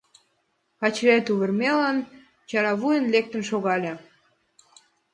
Качыри тувырмелын, чаравуйын лектын шогале.